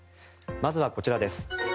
まずはこちらです。